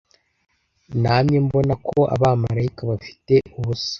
Namye mbona ko abamarayika bafite ubusa